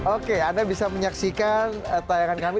oke anda bisa menyaksikan tayangan kami